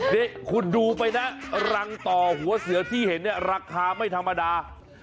นี่คุณดูไปนะรังต่อหัวเสือที่เห็นเนี่ยราคาไม่ธรรมดา